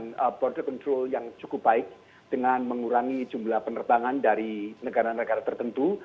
dan border control yang cukup baik dengan mengurangi jumlah penerbangan dari negara negara tertentu